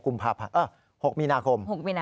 ๖มินาคม